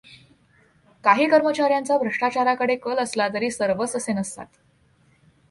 काही कर्मचार्यांचा भ्रष्टाचाराकडे कल असला तरी सर्वच तसे नसतात.